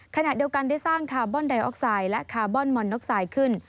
ขณะเดียวกันได้สร้างคาร์บอนไดออกไซด์และคาร์บอนมอนน็อกไซด์ขึ้น